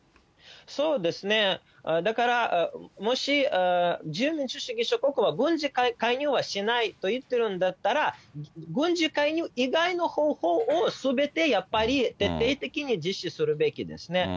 そうですね、だから、もし自由民主主義諸国は軍事介入はしないと言っているんだったら、軍事介入以外の方法をすべてやっぱり、徹底的に実施するべきですね。